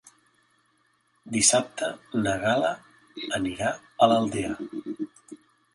Dissabte na Gal·la anirà a l'Aldea.